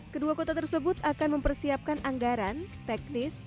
kedua kota tersebut akan mempersiapkan anggaran teknis